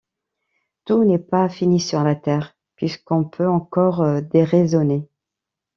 Tout n’est pas fini sur la terre, puisqu’on peut encore déraisonner.